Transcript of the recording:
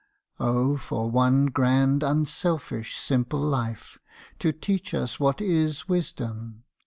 O for one grand unselfish simple life To teach us what is Wisdom!